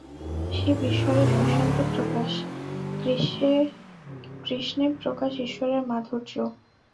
শিব ঈশ্বরের সুশান্ত প্রকাশ, কৃষ্ণে প্রকাশ ঈশ্বরের মাধুর্য।